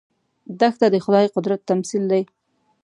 دښته د خدايي قدرت تمثیل دی.